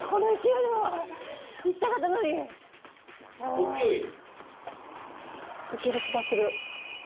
いける気がする！